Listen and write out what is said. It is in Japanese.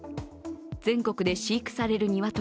全国で飼育される鶏